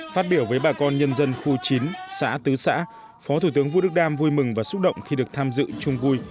phát biểu với bà con nhân dân khu chín xã tứ xã phó thủ tướng vũ đức đam vui mừng và xúc động khi được tham dự chung vui